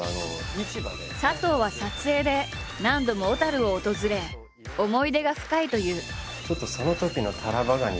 佐藤は撮影で何度も小を訪れ思い出が深いという。